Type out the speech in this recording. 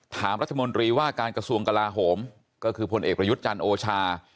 ถามรัฐมนตรีว่าการกระทรวงกลาโหมก็คือพลเอกประยุทธ์จันทร์โอชา